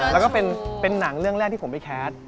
แล้วก็เป็นหนังเรื่องแรกที่ผมไปแคส